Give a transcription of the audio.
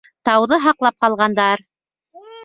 Тауҙы һаҡлап ҡалғандар.